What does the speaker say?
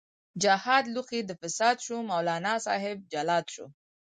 جهاد لوښۍ د فساد شو، مولانا صاحب جلاد شو